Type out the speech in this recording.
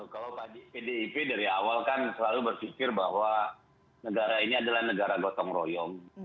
kalau pdip dari awal kan selalu berpikir bahwa negara ini adalah negara gotong royong